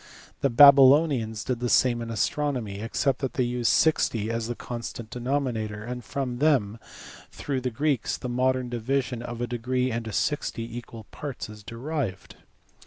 The Babylonians did the same in astronomy, except that they used sixty as the constant denominator; and from them through the Greeks the modern division of a degree into sixty equal parts is derived.